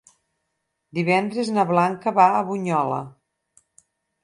Divendres na Blanca va a Bunyola.